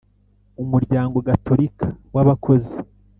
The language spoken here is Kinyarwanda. Umuryango Gatolika w’Abakozi.